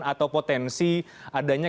atau potensi adanya